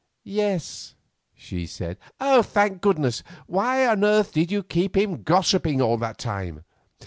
"Yes," she said. "Thank goodness! Why on earth did you keep him gossiping all that time?